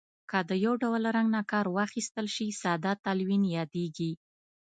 که د یو ډول رنګ نه کار واخیستل شي ساده تلوین یادیږي.